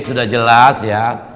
sudah jelas ya